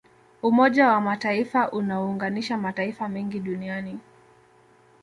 umoja wa mataifa unaounganisha mataifa mengi duniani